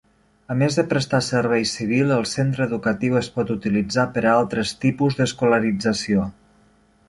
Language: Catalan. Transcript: A més de prestar servei civil, el centre educatiu es pot utilitzar per a altres tipus d'escolarització.